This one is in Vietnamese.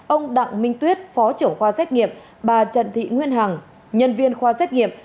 ông đặng minh tuyết phó trưởng khoa xét nghiệm bà trần thị nguyên hằng nhân viên khoa xét nghiệm